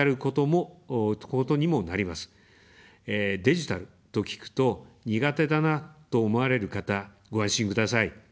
デジタルと聞くと、苦手だなと思われる方、ご安心ください。